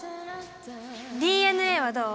ＤＮＡはどう？